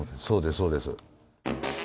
そうですそうです。